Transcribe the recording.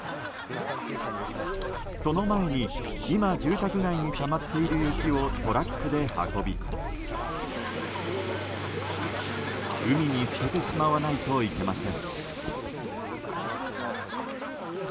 その前に今、住宅街にたまっている雪をトラックで運び海に捨ててしまわないといけません。